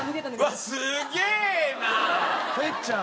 うわっすげえな！哲ちゃん